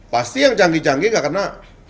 pasti yang canggih canggih nggak kena